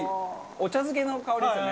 お茶漬けの香りですよね。